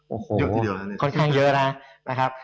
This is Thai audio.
โอ้โหค่อนข้างเยอะนะนะครับ